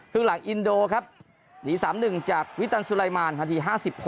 ครึ่งหลังอินโดครับหนี๓๑จากวิตันสุไลมารนาที๕๖